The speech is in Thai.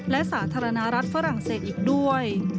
และสาธารณรัฐฝรั่งเศสอีกด้วย